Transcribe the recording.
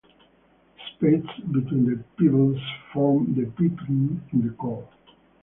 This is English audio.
The spaces between the pebbles form the "piping" in the core.